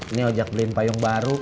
ini ojek beliin payung baru